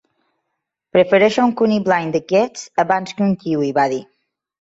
Prefereixo un conill blanc d'aquests abans que un kiwi —va dir.